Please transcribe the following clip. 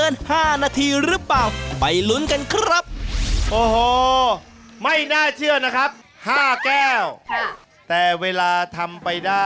๔นาที๕๗สิบเจนวินาทีค่ะ